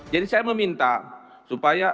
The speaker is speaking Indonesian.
jadi saya meminta supaya